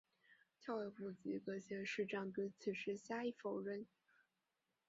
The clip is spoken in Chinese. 教育部及各县市长对此事加以否认。